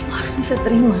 kamu harus bisa terima